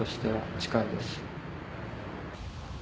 近いです。